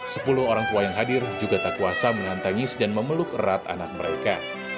sepuluh orang tua yang hadir juga tak kuasa menantangis dan memeluk erat anak mereka